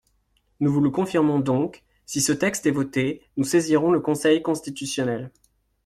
Nous vous le confirmons donc : si ce texte est voté, nous saisirons le Conseil constitutionnel.